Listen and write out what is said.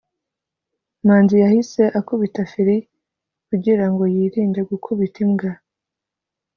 manzi yahise akubita feri kugirango yirinde gukubita imbwa